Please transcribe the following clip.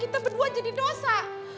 kita berdua jadi dosa